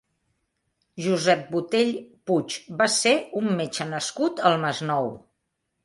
Josep Botey Puig va ser un metge nascut al Masnou.